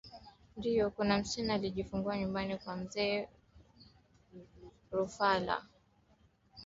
ndiyo kuna msichana alijifungua nyumbani kwa mzee ruhala akakaa hapo wiki tatu kabla kuondoka